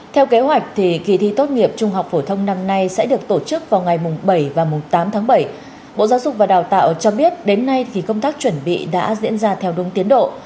theo kế hoạch kỳ thi tốt nghiệp trung học phổ thông năm nay sẽ được tổ chức vào ngày bảy và tám tháng bảy bộ giáo dục và đào tạo cho biết đến nay thì công tác chuẩn bị đã diễn ra theo đúng tiến độ